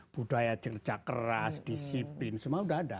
budaya jerja keras disipin semua sudah ada